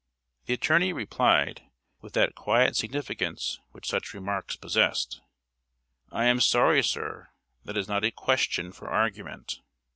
The attorney replied, with that quiet significance which such remarks possessed: "I am sorry, sir, that it is not a question for argument."